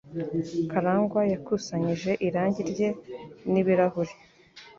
Karangwa yakusanyije irangi rye n'ibirahure.